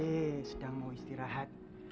pak d sedang mau istirahat